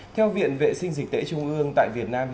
theo viện vệ sinh dịch tễ trung ương tại việt nam